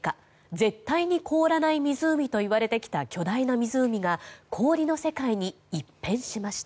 絶対に凍らない湖といわれてきた巨大な湖が氷の世界に一変しました。